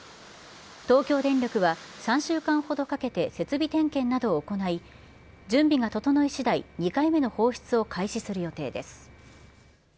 東京電力は、３週間ほどかけて設備点検などを行い、準備が整いしだい、２回目の放出を開始する予定です。